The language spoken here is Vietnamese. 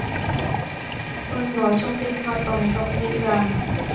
Quân nói trong điện thoại bằng giọng dịu dàng